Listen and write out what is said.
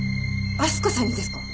明日香さんにですか？